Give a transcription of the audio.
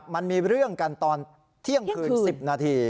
มันมีเรื่องกันตอนเที่ยงคืน๑๐นาที